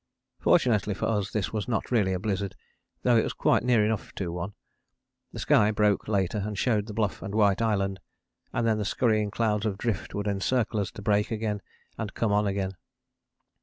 Fortunately for us this was not really a blizzard, though it was quite near enough to one. The sky broke later and showed the Bluff and White Island, and then the scurrying clouds of drift would encircle us to break again and come on again.